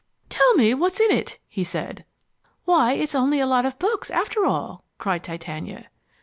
"Tell me what's in it," he said. "Why, it's only a lot of books, after all," cried Titania.